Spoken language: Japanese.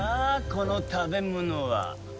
この食べ物は。